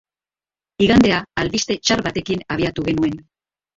Igandea albiste txar batekin abiatu genuen.